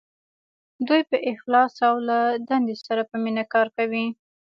دوی په اخلاص او له دندې سره په مینه کار کوي.